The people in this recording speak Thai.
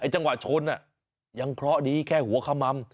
จังหวะชนยังเคราะห์ดีแค่หัวขมัม